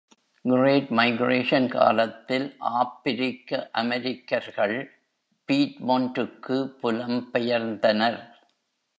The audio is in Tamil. Great Migration காலத்தில் ஆப்பிரிக்க அமெரிக்கர்கள் Piedmont-க்கு புலம் பெயர்ந்தனர்.